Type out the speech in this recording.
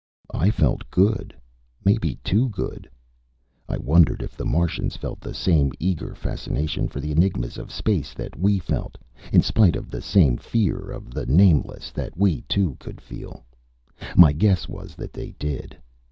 I felt good maybe too good. I wondered if the Martians felt the same eager fascination for the enigmas of space that we felt, in spite of the same fear of the nameless that we too could feel. My guess was that they did.